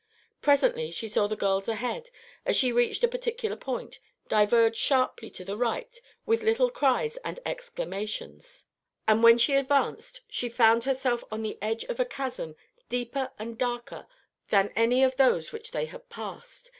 Presently she saw the girls ahead, as they reached a particular point, diverge sharply to the right with little cries and exclamations; and when she advanced, she found herself on the edge of a chasm deeper and darker than any of those which they had passed.